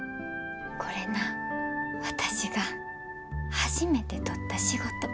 これな私が初めて取った仕事。